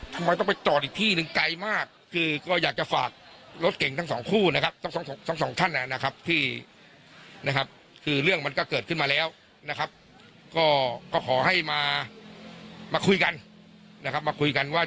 ทำไมต้องไปจออีกที่หนึ่งไกลมาก